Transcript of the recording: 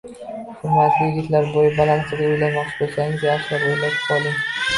Hurmatli yigitlar, bo'yi baland qizga uylanamoqchi bo'lsangiz yaxshilab o'ylab oling